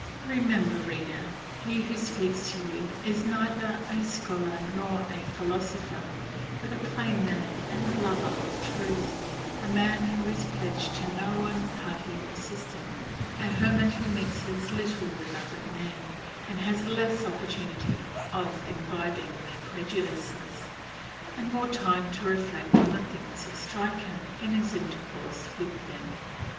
Remember, reader, that he who speaks to you is neither a scholar nor a philosopher, but a plain man and a lover of truth; a man who is pledged to no one party or system, a hermit, who mixes little with other men, and has less opportunity of imbibing their prejudices, and more time to reflect on the things that strike him in his intercourse with them.